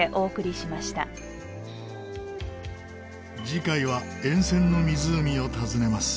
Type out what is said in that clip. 次回は沿線の湖を訪ねます。